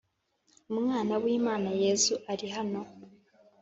Umwana w Imana Yesu arihano